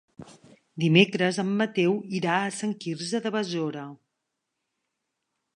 Dimecres en Mateu irà a Sant Quirze de Besora.